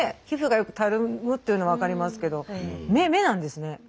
皮膚がよくたるむっていうのは分かりますけど目なんですね。